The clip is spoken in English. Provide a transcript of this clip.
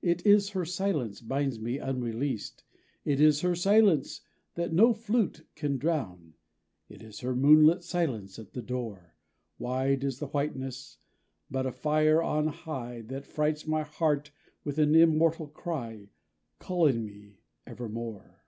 It is her silence binds me unreleased, It is her silence that no flute can drown, It is her moonlit silence at the door, Wide as the whiteness, but a fire on high That frights my heart with an immortal Cry, Calling me evermore.